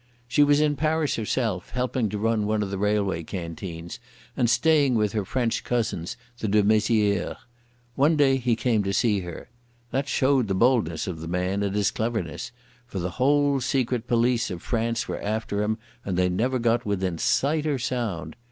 She was in Paris herself, helping to run one of the railway canteens, and staying with her French cousins, the de Mezières. One day he came to see her. That showed the boldness of the man, and his cleverness, for the whole secret police of France were after him and they never got within sight or sound.